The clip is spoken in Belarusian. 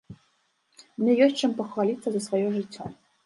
Мне ёсць чым пахваліцца за сваё жыццё.